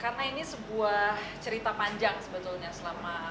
karena ini sebuah cerita panjang sebetulnya